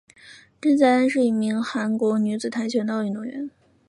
郑在恩是一名韩国女子跆拳道运动员。